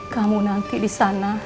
kamu nanti disana